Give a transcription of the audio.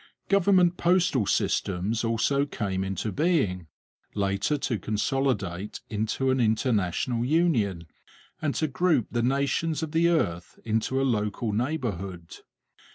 Government postal systems also came into being, later to consolidate into an international union and to group the nations of the earth into a local neighbourhood.